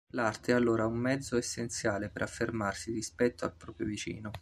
L'arte è allora un mezzo essenziale per affermarsi rispetto al proprio vicino.